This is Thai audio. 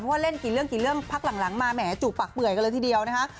เพราะว่าเล่นกี่เรื่องพักหลังมาแหมจูบปากเปื่อยกันเลยทีเดียวนะครับ